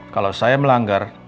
kalau saya melanggar